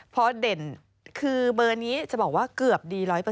พอเด่นคือเบอร์นี้จะบอกว่าเกือบดี๑๐๐